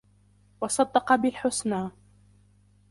وَصَدَّقَ بِالْحُسْنَى